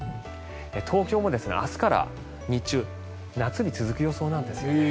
東京も明日から日中、夏日続く予想なんです。